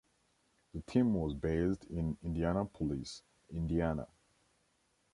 The team was based in Indianapolis, Indiana.